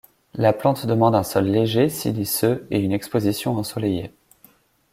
La plante demande un sol léger, siliceux et une exposition ensoleillée.